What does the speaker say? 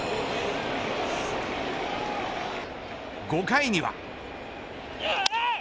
５回には。